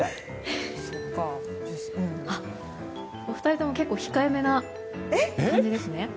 お二人とも結構控えめな感じですね。